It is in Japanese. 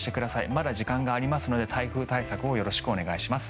まだ時間がありますので台風対策をよろしくお願いします。